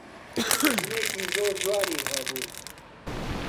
ژنێکی زۆر جوانی هەبوو.